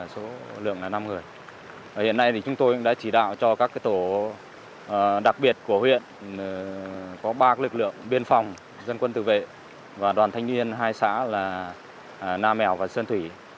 số lượng là năm người hiện nay thì chúng tôi đã chỉ đạo cho các tổ đặc biệt của huyện có ba lực lượng biên phòng dân quân tự vệ và đoàn thanh niên hai xã là nam mèo và sơn thủy